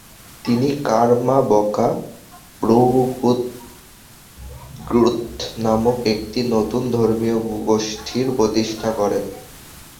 তিনি কার্মা-ব্কা'-ব্র্গ্যুদ নামক একটি নতুন ধর্মীয় গোষ্ঠীর প্রতিষ্ঠা করেন।